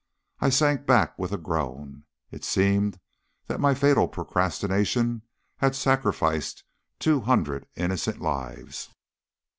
I sank back with a groan. It seemed that my fatal procrastination had sacrificed two hundred innocent lives.